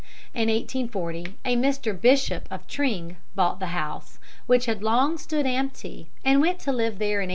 In 1840 a Mr. Bishop of Tring bought the house, which had long stood empty, and went to live there in 1841.